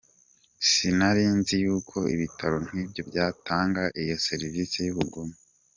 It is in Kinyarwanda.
sinarinzi yuko ibitaro nkibyo byatanga iyo service yubugome.